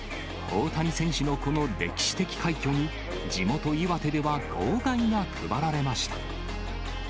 大谷選手のこの歴史的快挙に、地元、岩手では号外が配られました。